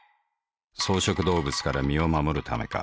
草食動物から身を護るためか。